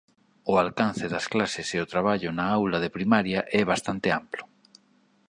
O alcance das clases e o traballo na aula de primaria é bastante amplo.